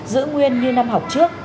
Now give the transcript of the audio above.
giữ nguyên như năm học